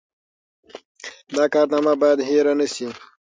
دا کارنامه باید هېره نه سي.